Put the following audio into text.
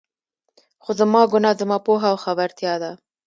خو زما ګناه، زما پوهه او خبرتيا ده.